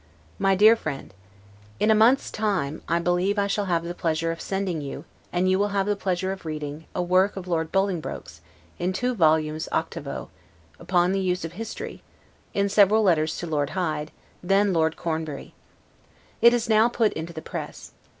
MY DEAR FRIEND: In a month's time, I believe I shall have the pleasure of sending you, and you will have the pleasure of reading, a work of Lord Bolingbroke's, in two volumes octavo, "Upon the Use of History," in several letters to Lord Hyde, then Lord Cornbury. It is now put into the press.